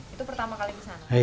itu pertama kali kesana